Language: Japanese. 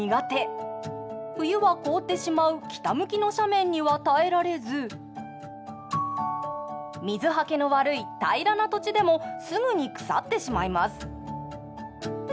冬は凍ってしまう北向きの斜面には耐えられず水はけの悪い平らな土地でもすぐに腐ってしまいます。